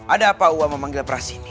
ada apa saya memanggil rai ini